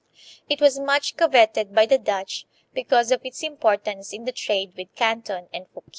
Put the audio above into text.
It was much coveted by the Dutch because of its importance in the trade with Canton and Fukien.